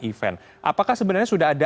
event apakah sebenarnya sudah ada